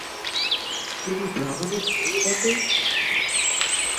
তুমি ব্রাহ্মণের মেয়ে বটে?